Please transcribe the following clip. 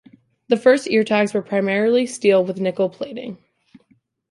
The first ear tags were primarily steel with nickel plating.